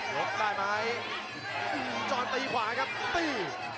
ได้ไหมจรตีขวาครับตี